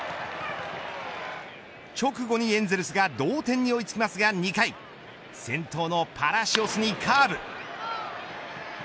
直後にエンゼルスが同点に追いつきますが、２回先頭のパラシオスにカーブ。